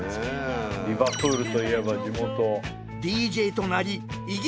リバプールといえば地元。